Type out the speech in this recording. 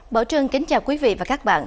bảo trương kính chào quý vị và các bạn